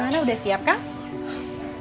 gimana udah siap kak